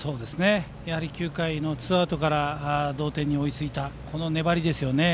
やはり９回のツーアウトから同点に追いついた粘りですよね。